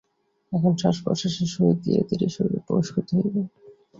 এখন শ্বাসপ্রশ্বাসের সহিত ধীরে ধীরে শরীরে প্রবেশ করিতে হইবে।